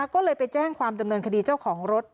ก็เลยไปแจ้งความดำเนินคดีเจ้าของรถ